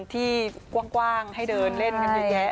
ที่กว้างให้เดินเล่นกันเยอะแยะ